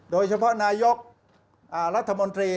โดยเฉพาะนายกรัฐมนตรี